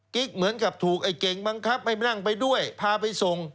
กิ๊กเหมือนกับถูกไอ้เก่งบังคับให้มานั่งไปด้วยพาไปส่ง